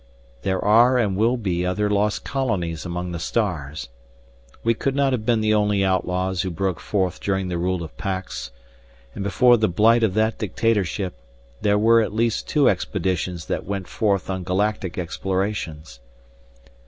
There are and will be other lost colonies among the stars. We could not have been the only outlaws who broke forth during the rule of Pax, and before the blight of that dictatorship, there were at least two expeditions that went forth on Galactic explorations.